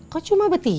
kok cuma bertiga